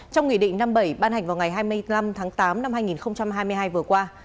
trong nghị định năm mươi bảy ban hành vào ngày hai mươi năm tháng tám năm hai nghìn hai mươi hai vừa qua